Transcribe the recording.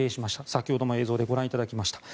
先ほども映像でご覧いただきました。